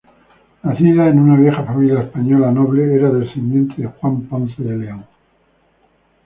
Nacida en una vieja familia española noble, era descendiente de Juan Ponce de León.